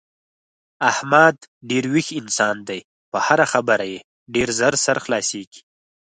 احمد ډېر ویښ انسان دی په هره خبره یې ډېر زر سر خلاصېږي.